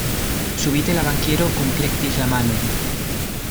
Subite la bankiero kunplektis la manojn.